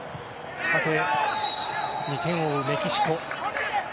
さて、２点を追うメキシコ。